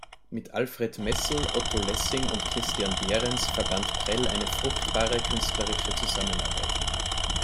Mit Alfred Messel, Otto Lessing und Christian Behrens verband Prell eine fruchtbare künstlerische Zusammenarbeit.